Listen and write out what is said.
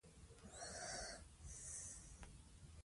پښتو ادب مو بډایه شي.